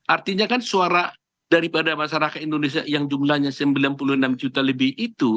artinya kan suara daripada masyarakat indonesia yang jumlahnya sembilan puluh enam juta lebih itu